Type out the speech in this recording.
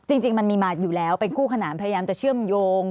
จริงมันมีมาอยู่แล้วเป็นคู่ขนานพยายามจะเชื่อมโยง